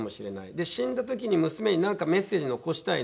で死んだ時に娘になんかメッセージ残したいな。